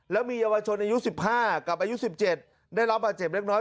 แล้วมีเยาวชนอายุ๑๕กับอายุ๑๗ได้รับบาดเจ็บเล็กน้อย